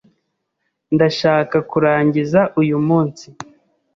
Ndashaka kurangiza uyu munsi.